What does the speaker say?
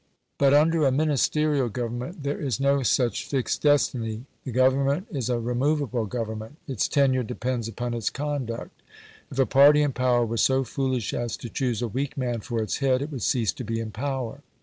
But under a Ministerial government there is no such fixed destiny. The Government is a removable Government, its tenure depends upon its conduct. If a party in power were so foolish as to choose a weak man for its head, it would cease to be in power.